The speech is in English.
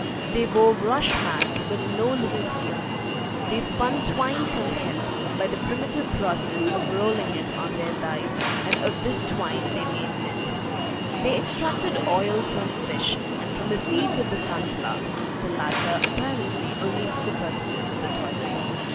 They wove rush mats with no little skill. They spun twine from hemp, by the primitive process of rolling it on their thighs; and of this twine they made nets. They extracted oil from fish and from the seeds of the sunflower, the latter, apparently, only for the purposes of the toilet.